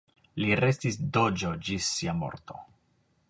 Li restis doĝo ĝis sia morto.